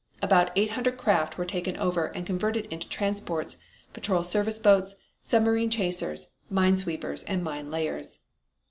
About eight hundred craft were taken over and converted into transports, patrol service boats, submarine chasers, mine sweepers and mine layers.